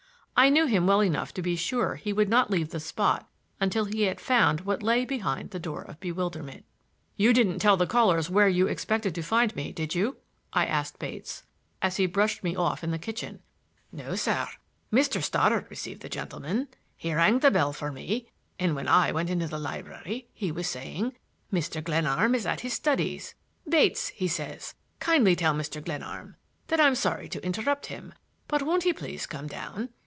I knew him well enough to be sure he would not leave the spot until he had found what lay behind the Door of Bewilderment. "You didn't tell the callers where you expected to find me, did you?" I asked Bates, as he brushed me off in the kitchen. "No, sir. Mr. Stoddard received the gentlemen. He rang the bell for me and when I went into the library he was saying, 'Mr. Glenarm is at his studies. Bates,'— he says—'kindly tell Mr. Glenarm that I'm sorry to interrupt him, but won't he please come down?